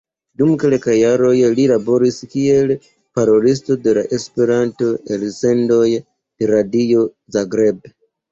Dum kelkaj jaroj li laboris kiel parolisto por la Esperanto-elsendoj de Radio Zagreb.